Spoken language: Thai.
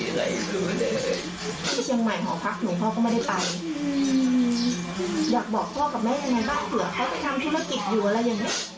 อาจจะไม่ได้บอกเรา